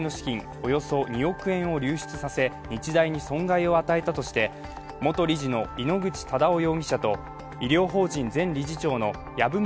およそ２億円を流出させ、日大に損害を与えたとして元理事の井ノ口忠男容疑者と、医療法人前理事長の籔本